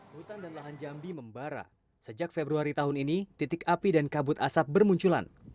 hutan dan lahan jambi membara sejak februari tahun ini titik api dan kabut asap bermunculan